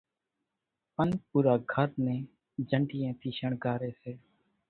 ان پورا گھر نين جنڍِيئين ٿِي شڻگاري سي